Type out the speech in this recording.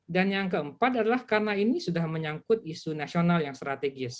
dan yang keempat adalah karena ini sudah menyangkut isu nasional yang strategis